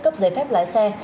cấp giấy phép lái xe